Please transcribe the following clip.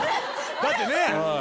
だってねぇ。